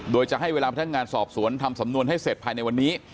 โดยจะให้เวลาพนักงานสอบสวนทำสำนวนให้เสร็จภายในวันนี้